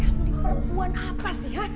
kamu di perempuan apa sih ha